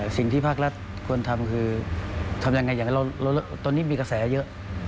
สิ่งที่ภาครัฐควรทำคือทำยังไงอย่างนั้นตอนนี้มีกระแสเยอะ